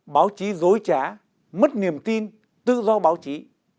báo chí dối trá mất niềm tin tự do báo chí